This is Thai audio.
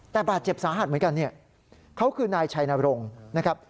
แต่บาทเจ็บสาหัสเหมือนกันเขาคือนายชัยนรงค์